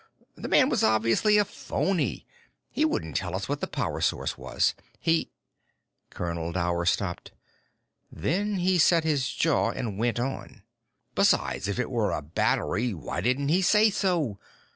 The man was obviously a phony. He wouldn't tell us what the power source was. He " Colonel Dower stopped. Then he set his jaw and went on. "Besides, if it were a battery, why didn't he say so?